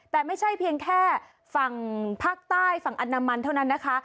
แต่ไม่ใช่เพียงแค่ฝั่งภาคใต้ฝั่งอนามันเท่านั้นนะคะ